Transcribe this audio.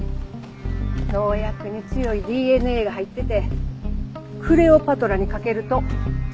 農薬に強いＤＮＡが入っててクレオパトラにかけると。